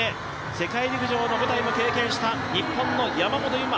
世界陸上の舞台も経験した日本の山本有真。